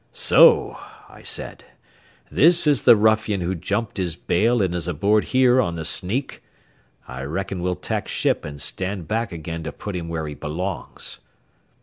"So," I said, "this is the ruffian who jumped his bail and is aboard here on the sneak? I reckon we'll tack ship and stand back again to put him where he belongs."